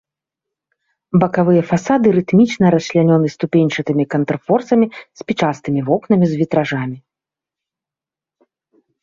Бакавыя фасады рытмічна расчлянёны ступеньчатымі контрфорсамі, спічастымі вокнамі з вітражамі.